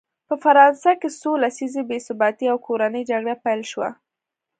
په فرانسه کې څو لسیزې بې ثباتي او کورنۍ جګړه پیل شوه.